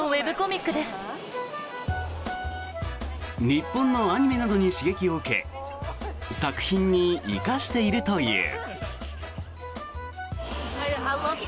日本のアニメなどに刺激を受け作品に生かしているという。